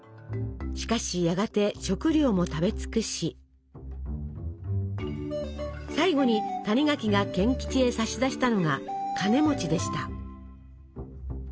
しかしやがて食料も食べ尽くし最後に谷垣が賢吉へ差し出したのがカネでした。